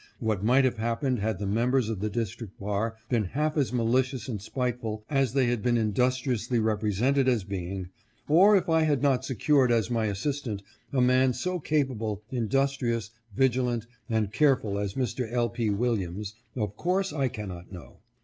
What might have hap pened had the members of the District bar been half as malicious and spiteful as they had been industriously represented as being, or if I had not secured as my as sistant a man so capable, industrious, vigilant, and care ful as Mr. L. P. Williams, of course I cannot know.